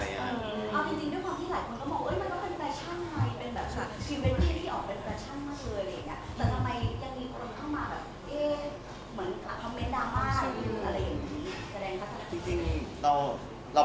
เป็นแบชั่นมากเลย